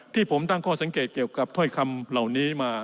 ที่ผมตั้งข้อสังเกตเกี่ยวกับถ้อยคำเหล่านี้มา